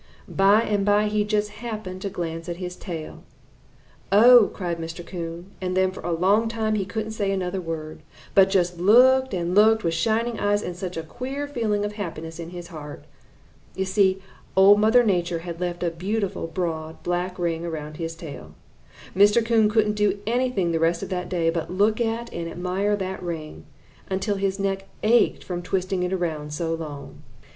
"By and by he just happened to glance at his tail. 'Oh!' cried Mr. Coon, and then for a long time he couldn't say another word, but just looked and looked with shining eyes and such a queer feeling of happiness in his heart. You see, Old Mother Nature had left a beautiful, broad, black ring around his tail. Mr. Coon couldn't do anything the rest of that day but look at and admire that ring, until his neck ached from twisting it around so long.